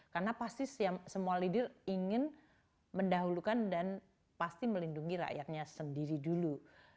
karena pasti semua leader ingin mendahulukan dan pasti melindungi rakyatnya sendiri dulu